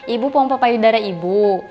ibu pompo payudara ibu